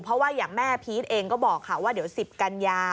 เพราะว่าอย่างแม่พีชเองก็บอกค่ะว่าเดี๋ยว๑๐กันยา